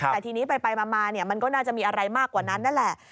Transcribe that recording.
แต่ทีนี้ไปมามันก็น่าจะมีอะไรมากกว่านั้นนั่นแหละ